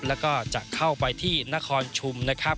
แล้วก็จะเข้าไปที่นครชุมนะครับ